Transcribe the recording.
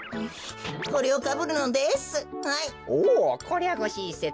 これをかぶるのです。